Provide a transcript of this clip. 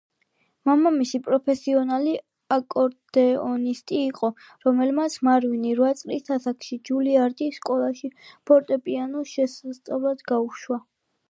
მამამისი პროფესიონალი აკორდეონისტი იყო, რომლემაც მარვინი, რვა წლის ასაკში, ჯულიარდის სკოლაში ფორტეპიანოს შესასწავლად გაუშვა.